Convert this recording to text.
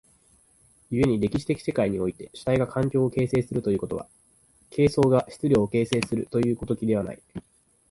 故に歴史的世界において主体が環境を形成するということは、形相が質料を形成するという如きことではない。